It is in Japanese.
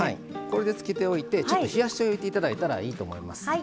これでつけておいてちょっと冷やしておいて頂いたらいいと思います。